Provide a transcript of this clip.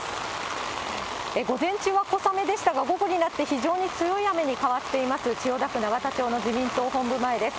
午前中は小雨でしたが、午後になって非常に強い雨に変わっています、千代田区永田町の自民党本部前です。